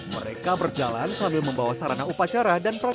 mereka berjalan sambil membawa sarana upacara dan proses